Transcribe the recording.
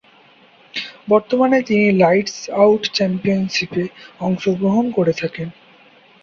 বর্তমানে তিনি "lights out চ্যাম্পিয়নশিপে" অংশগ্রহণ করে থাকেন।